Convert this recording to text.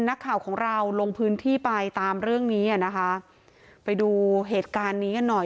นักข่าวของเราลงพื้นที่ไปตามเรื่องนี้อ่ะนะคะไปดูเหตุการณ์นี้กันหน่อย